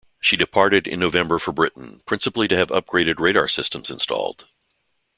She departed in November for Britain, principally to have upgraded radar systems installed.